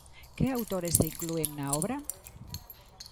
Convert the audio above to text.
Que autores se inclúen na obra?